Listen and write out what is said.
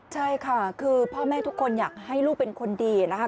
ใช่ค่ะคือพ่อแม่ทุกคนอยากให้ลูกเป็นคนดีนะคะ